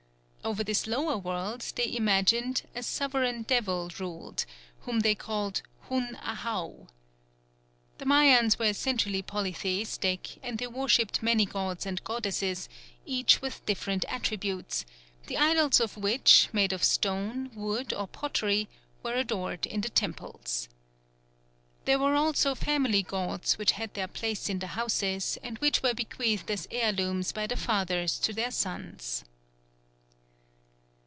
Over this lower world they imagined a sovereign devil ruled, whom they called Hun Ahau. The Mayans were essentially polytheistic, and they worshipped many gods and goddesses, each with different attributes, the idols of which, made of stone, wood or pottery, were adored in the temples. There were also family gods which had their place in the houses, and which were bequeathed as heirlooms by the fathers to their sons.